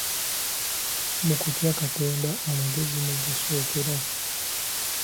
Mu kutya Katonda amagezi mwe gasookera.